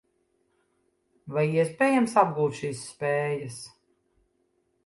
Vai iespējams apgūt šīs spējas?